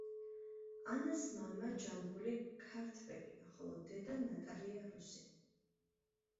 ანას მამა ჯამბული ქართველია, ხოლო დედა ნატალია რუსი.